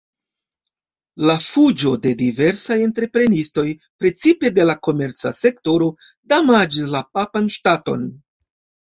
La fuĝo de diversaj entreprenistoj, precipe de la komerca sektoro, damaĝis la papan ŝtaton.